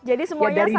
jadi semuanya sama ya